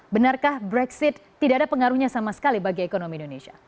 benarkah brexit tidak ada pengaruhnya sama sekali bagi ekonomi indonesia